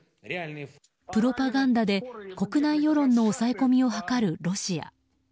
プロパガンダで国内世論の抑え込みを図るロシア。